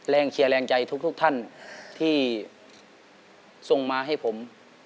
เชียร์แรงใจทุกท่านที่ส่งมาให้ผม